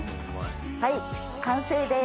はい完成です。